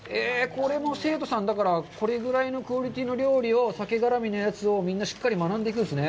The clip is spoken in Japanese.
これも、生徒さん、これぐらいのクオリティーの料理を鮭絡みのやつをしっかり学んでいくんですね。